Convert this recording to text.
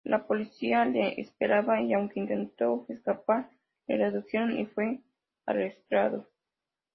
La policía le esperaba y aunque intentó escapar, le redujeron y fue arrestado.